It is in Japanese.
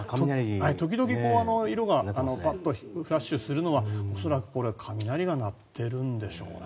時々、色がパッとフラッシュするのは恐らく雷が鳴っているんでしょうね。